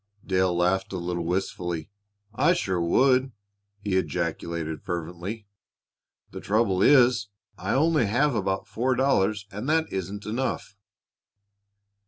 Dale laughed a little wistfully. "I sure would!" he ejaculated fervently. "The trouble is I only have about four dollars and that isn't enough."